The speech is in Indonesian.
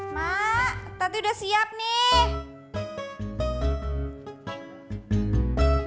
mak tadi udah siap nih